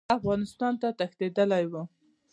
هغه افغانستان ته تښتېدلی وو.